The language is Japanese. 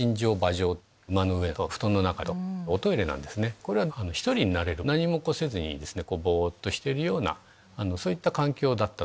これは１人になれる何もせずぼっとしてるようなそういった環境だったと。